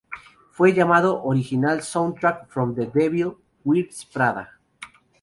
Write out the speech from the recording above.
Fue llamado "Original Soundtrack From The Devil Wears Prada".